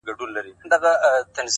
• خدايه ښه نـری بـاران پرې وكړې نن؛